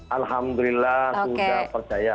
alhamdulillah sudah percaya